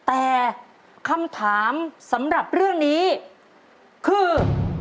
แต่คำถามสำหรับเรื่องนี้คือ